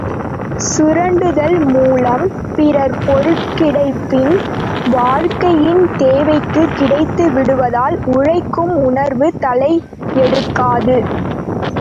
சுரண்டுதல் மூலம் பிறர் பொருள்கிடைப்பின் வாழ்க்கையின் தேவைக்குக் கிடைத்து விடுவதால் உழைக்கும் உணர்வு தலையெடுக்காது.